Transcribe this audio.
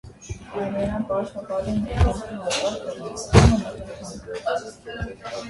Արևելյան պարսպապատին կից են թաղածածկ սեղանատունը, մթերանոցը։